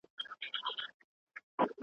ګلان شرمېږي مخ په پاڼو پټوينه